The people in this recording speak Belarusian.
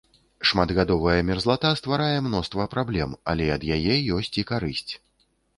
Шматгадовая мерзлата стварае мноства праблем, але ад яе ёсць і карысць.